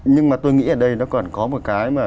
nhưng mà tôi nghĩ ở đây nó còn có một cái mà